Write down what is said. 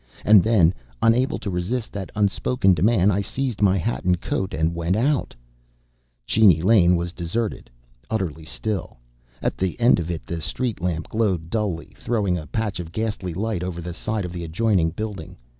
And then, unable to resist that unspoken demand, I seized my hat and coat and went out. Cheney Lane was deserted, utterly still. At the end of it, the street lamp glowed dully, throwing a patch of ghastly light over the side of the adjoining building.